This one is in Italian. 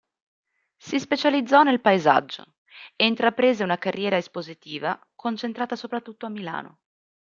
Si specializzò nel paesaggio e intraprese una carriera espositiva concentrata soprattutto a Milano.